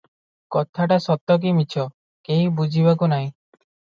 କଥାଟା ସତ କି ମିଛ, କେହି ବୁଝିବାକୁ ନାହିଁ ।